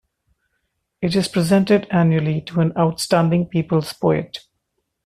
It is presented annually to an outstanding people's poet.